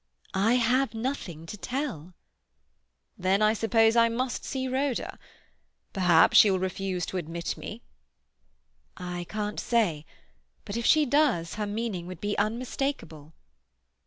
"I have nothing to tell." "Then I suppose I must see Rhoda. Perhaps she will refuse to admit me?" "I can't say. But if she does her meaning would be unmistakable."